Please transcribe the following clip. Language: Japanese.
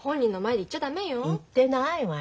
言ってないわよ。